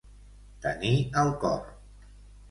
Tenir al cor.